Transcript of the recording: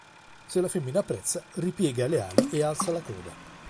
Se la femmina apprezza ripiega le ali e alza la coda.